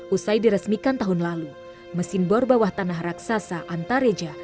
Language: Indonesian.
usai diresmikan tahun lalu mesin bor bawah tanah raksasa antareja